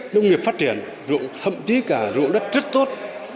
nông nghiệp phát triển thậm chí cả ruộng đất rất tốt